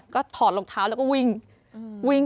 ก็ถอดลูกเท้าแล้วก็วิ่ง